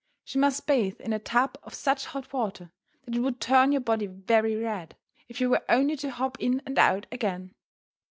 She must bathe in a tub of such hot water that it would turn your body very red, if you were only to hop in and out again.